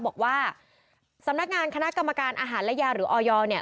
บอกว่าสำนักงานคณะกรรมการอาหารและยาหรือออยเนี่ย